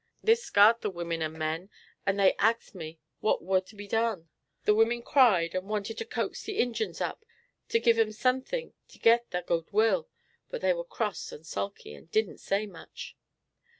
This scart the women and men, and they axed me what war to be done? The women cried and wanted to coax the Injins up to give 'em sunkthin' to get thar good will, but they war cross and sulky, and didn't say much.